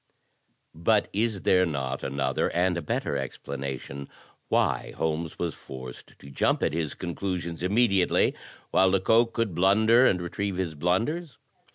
But is there not another and a better explanation why Holmes was forced to jump at his conclusions immediately, while Lecoq could blunder and retrieve his blunders?